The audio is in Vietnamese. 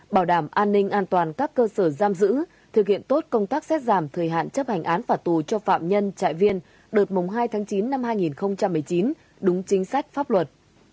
bảo đảm an ninh an toàn các cơ sở giam giữ thực hiện tốt công tác xét giảm thời hạn chấp hành án phạt tù cho phạm nhân trại viên đợt mùng hai tháng chín năm hai nghìn một mươi chín đúng chính sách pháp luật